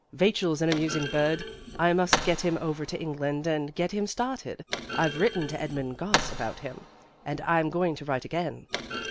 Vachel's an amusing bird. I must get him over to England and get him started. I've written to Edmund Gosse about him, and I'm going to write again.